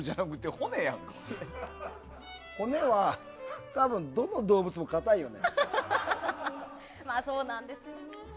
骨は多分、どの動物もかたいよね。